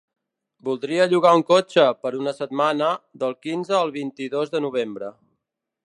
Voldria llogar un cotxe per una setmana, del quinze al vint-i-dos de novembre.